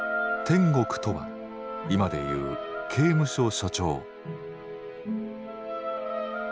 典獄とは今で言う刑務所所長。